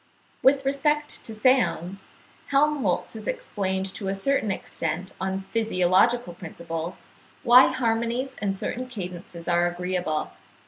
With respect to sounds, Helmholtz has explained to a certain extent on physiological principles, why harmonies and certain cadences are agreeable.